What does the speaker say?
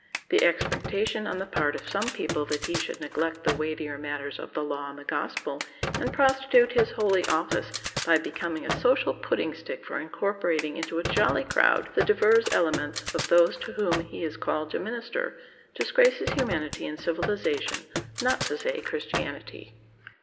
The expectation on the part of some people that he should neglect the weightier matters of the law and the gospel, and prostitute his holy office by becoming a social pudding stick for incorporating into "a jolly crowd" the divers elements of those to whom he is called to minister, disgraces humanity and civilization—not to say Christianity.